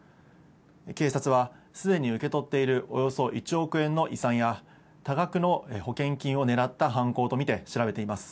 警察は、すでに受け取っているおよそ１億円の遺産や、多額の保険金を狙った犯行と見て調べています。